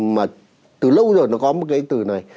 mà từ lâu rồi nó có một cái từ này